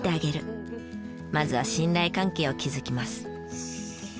まずは信頼関係を築きます。